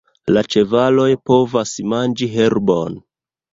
La ĉevaloj povas manĝi herbon.